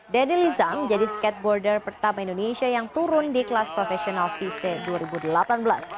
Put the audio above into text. danny lizang jadi skateboarder pertama indonesia yang turun di kelas profesional visee dua ribu delapan belas